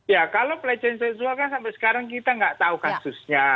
ya kalau pelecehan seksual kan sampai sekarang kita nggak tahu kasusnya